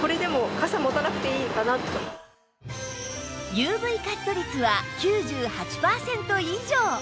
ＵＶ カット率は９８パーセント以上